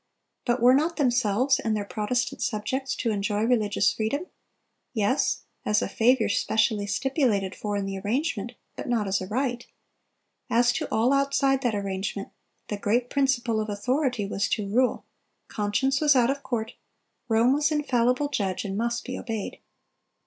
But were not themselves and their Protestant subjects to enjoy religious freedom? Yes, as a favor specially stipulated for in the arrangement, but not as a right. As to all outside that arrangement, the great principle of authority was to rule; conscience was out of court; Rome was infallible judge, and must be obeyed.